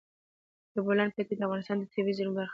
د بولان پټي د افغانستان د طبیعي زیرمو برخه ده.